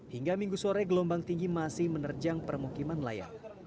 hingga minggu sore gelombang tinggi masih menerjang permukiman layang